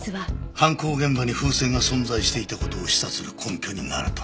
犯行現場に風船が存在していた事を示唆する根拠になると？